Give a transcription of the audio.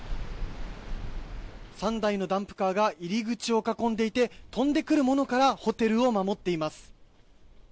３台のダンプカーが入り口を囲んでいて飛んでくるものからホテルを守っています。